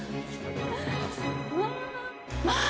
まあ！